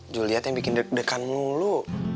juliet yang bikin deg degan mulu